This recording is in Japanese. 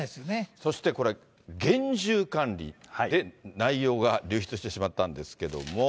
そしてこれ、厳重管理で内容が流出してしまったんですけれども。